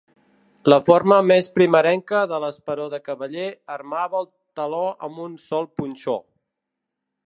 La forma més primerenca de l'esperó de cavaller armava el taló amb un sol punxó.